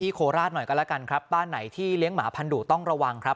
โคราชหน่อยก็แล้วกันครับบ้านไหนที่เลี้ยงหมาพันธุต้องระวังครับ